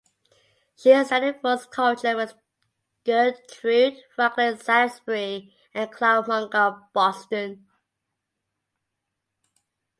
She studied voice culture with Gertrude Franklin Salisbury and Clara Munger of Boston.